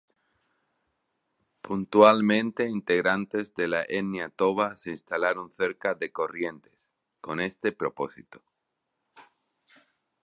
Puntualmente integrantes de la etnia toba se instalaron cerca de Corrientes con este propósito.